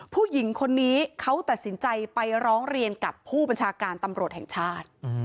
ผู้หญิงคนนี้เขาตัดสินใจไปร้องเรียนกับผู้บัญชาการตำรวจแห่งชาติ